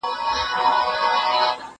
سپينکۍ د مور له خوا مينځل کيږي!.